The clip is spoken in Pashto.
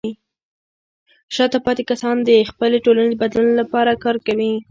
شاته پاتې کسان د خپلې ټولنې د بدلون لپاره کار کوي.